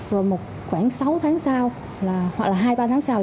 rồi khoảng sáu tháng sau hoặc là hai ba tháng sau